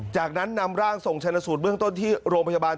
จากนั้นนำร่างส่งชนสูตรเบื้องต้นที่โรงพยาบาล